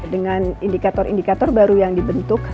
dengan indikator indikator baru yang dibentuk